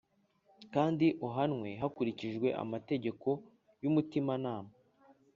kandi uhanwe hakurikijwe amategeko y’umutimanama.